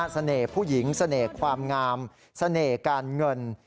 เสน่ห์ผู้หญิงเสน่ห์ความงามเสน่ห์การเงิน